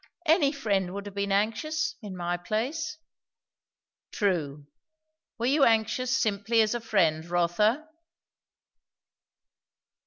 "Any friend would have been anxious, in my place." "True. Were you anxious simply as a friend, Rotha?"